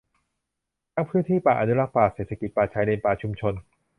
ทั้งพื้นที่ป่าอนุรักษ์ ป่าเศรษฐกิจ ป่าชายเลน ป่าชุมชน